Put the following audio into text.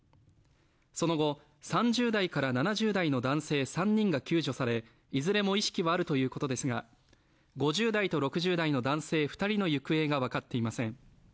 その後３０代から７０代の男性３人が救助されいずれも意識はあるということですが５０代と６０代の男性２人の行方が分かっていません。